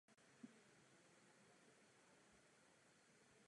Květenství je umístěno v dutině na horní straně „lístku“.